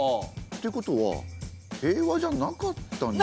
ってことは平和じゃなかったんじゃ。